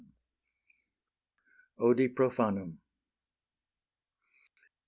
ODI PROFANUM.